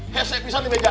hesek pisah di meja